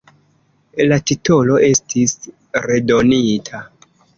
La titolo estis redonita.